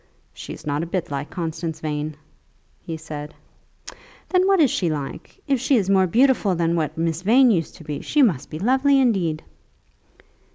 "She is not a bit like Constance Vane," he said. "Then what is she like? If she is more beautiful than what Miss Vane used to be, she must be lovely indeed."